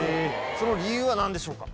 その理由は何でしょうか？